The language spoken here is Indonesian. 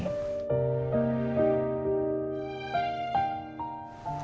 kamu mau beritahu apa